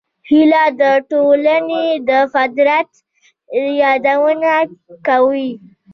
هیلۍ د ټولنې د فطرت یادونه کوي